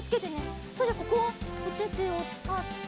それじゃあここはおててをつかって。